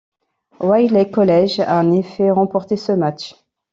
Wiley College a en effet remporté ce match.